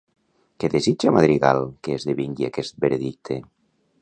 Què desitja Madrigal que esdevingui aquest veredicte?